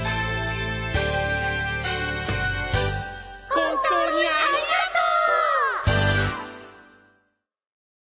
本当にありがとう！